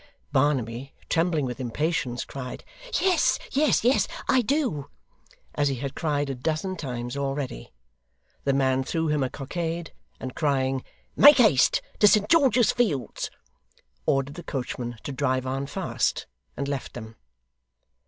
Barnaby, trembling with impatience, cried, 'Yes! yes, yes, I do,' as he had cried a dozen times already. The man threw him a cockade, and crying, 'Make haste to St George's Fields,' ordered the coachman to drive on fast; and left them.